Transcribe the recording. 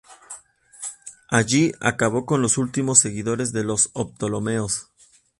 Allí acabó con los últimos seguidores de los Ptolomeos.